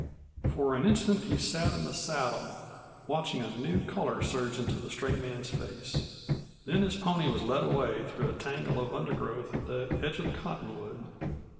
For an instant he sat in the saddle, watching a new color surge into the stray man's face. Then his pony was led away, through a tangle of undergrowth at the edge of the cottonwood.